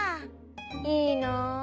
いいな。